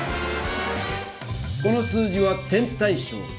この数字は「点対称」。